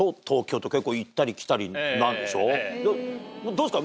どうですか？